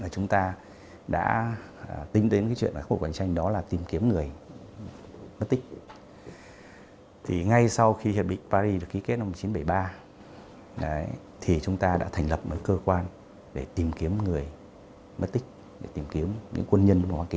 chúng ta cần phải tiếp tục có những thông tin chính xác